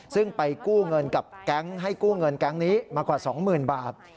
ซึ่งไปกู้เงินกับแก๊งให้กู้เงินแก๊งนี้มากว่า๒๐๐๐บาท